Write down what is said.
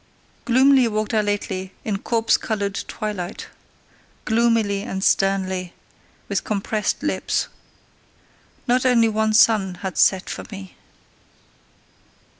Gloomily walked I lately in corpse coloured twilight gloomily and sternly, with compressed lips. Not only one sun had set for me.